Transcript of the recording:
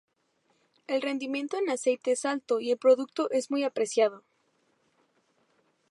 El rendimiento en aceite es alto y el producto es muy apreciado.